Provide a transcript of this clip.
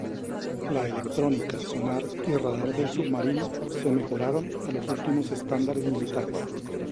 La electrónica, sonar y radar del submarino se mejoraron a los últimos estándares militares.